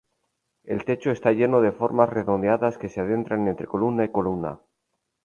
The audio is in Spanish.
El techo está lleno de formas redondeadas que se adentran entre columna y columna.